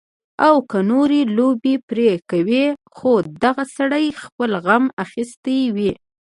او کۀ نورې لوبې پرې کوي خو دغه سړے خپل غم اخستے وي